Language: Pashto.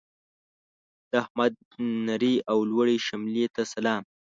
د احمد نرې او لوړې شملې ته سلام.